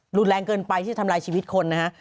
รุนแรงเกินไปที่จะทำลายชีวิตคนนะฮะ